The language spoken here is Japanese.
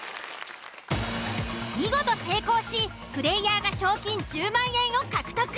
見事成功しプレイヤ―が賞金１０万円を獲得。